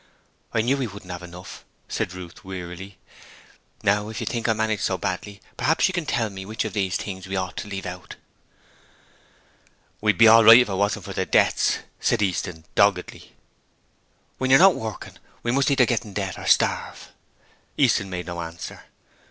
'I knew we wouldn't have enough,' said Ruth, wearily. 'Now if you think I manage so badly, p'raps you can tell me which of these things we ought to leave out.' 'We'd be all right if it wasn't for the debts,' said Easton, doggedly. 'When you're not working, we must either get into debt or starve.' Easton made no answer.